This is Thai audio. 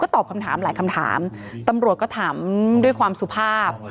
ตอบคำถามหลายคำถามตำรวจก็ถามด้วยความสุภาพ